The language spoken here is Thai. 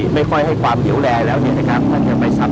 ไม่ค่อยให้ความเหยียวแร้แล้วเนี่ยครับ